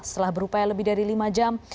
setelah berupaya lebih dari lima jam